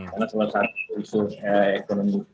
karena kalau saat itu isu ekonomi